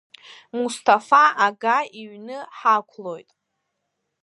Мусҭафа Ага иҩны ҳақәлоит.